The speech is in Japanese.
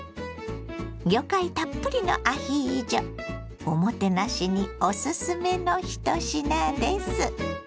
魚介たっぷりのアヒージョおもてなしにおすすめの一品です。